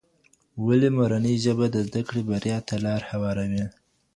ولي مورنۍ ژبه د زده کړې بريا ته لار هواروي؟